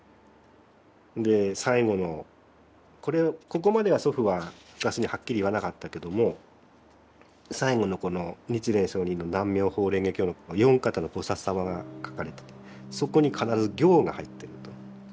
で最後のこれここまでは祖父は私にはっきり言わなかったけども最後のこの日蓮上人の「南無妙法蓮華経」の四方の菩薩様が書かれててそこに必ず「行」が入ってると。